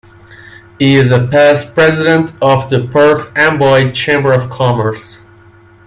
He is a past president of the Perth Amboy Chamber of Commerce.